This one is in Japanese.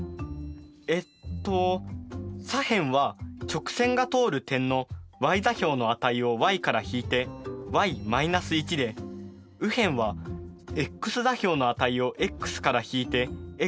えっと左辺は直線が通る点のｙ座標の値をｙから引いてｙ−１で右辺はｘ座標の値をｘから引いてｘ−３。